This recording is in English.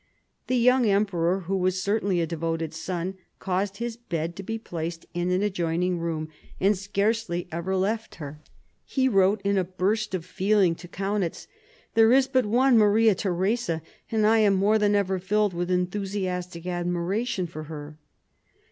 The young emperor, who was certainly a devoted son, caused his bed to be placed in an adjoining room, and scarcely ever left her. He wrote, in a burst of feeling, to Kaunitz :" There is but one Maria Theresa, and I am more than ever filled with enthusiastic admiration for her."